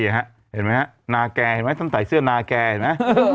เห็นมั้ยฮะนาแกงเห็นมั้ยตั้งแต่เสื้อนาแกงนะ